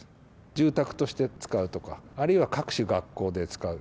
住宅として使うとか、あるいは各種学校で使う。